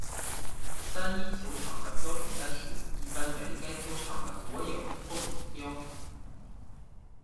单一球场的标准杆数一般为该球场的所有球洞标准杆数之总和。